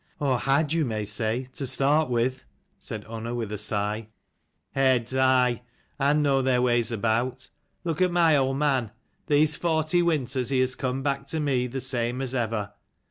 "Or had, you may say, to start with," said Unna with a sigh. " Heads, aye, and know their ways about. Look at my old man. These forty winters he has come back to me the same as ever."